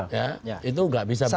ya itu gak bisa begitu